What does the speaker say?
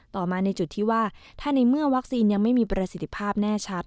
ต่อมาในจุดที่ว่าถ้าในเมื่อวัคซีนยังไม่มีประสิทธิภาพแน่ชัด